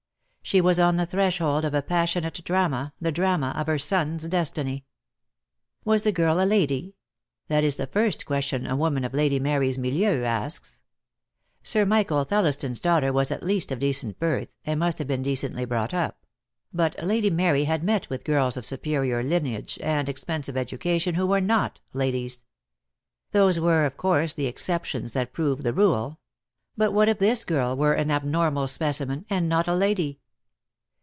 She was on the threshold of a passionate drama, the drama of her son's destiny. Was the girl a lady? That is the first question a woman of Lady Mary's milieu asks. Sir Michael TheUiston's daughter was at least of decent birth, and must have been decently brought up; but Lady Mary had met with girls of superior lineage and expensive education who were not ladies. Those were, of course, the exceptions that prove the rule; but what if this girl were an abnormal 142 DEAD LOVE HAS CHAINS. specimen, and not a lady?